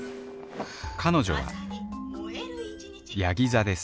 彼女は山羊座です